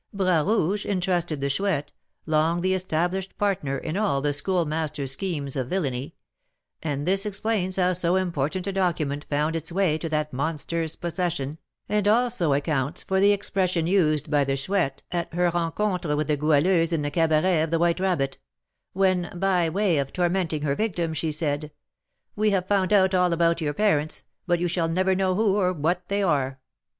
"Bras Rouge entrusted the Chouette, long the established partner in all the Schoolmaster's schemes of villainy; and this explains how so important a document found its way to that monster's possession, and also accounts for the expression used by the Chouette at her rencontre with the Goualeuse in the cabaret of the White Rabbit, when, by way of tormenting her victim, she said, 'We have found out all about your parents, but you shall never know who or what they are.'